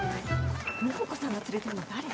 美保子さんが連れてるの誰？